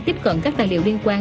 tiếp cận các tài liệu liên quan